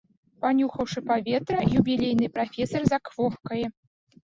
Панюхаўшы паветра, юбілейны прафесар заквохкае.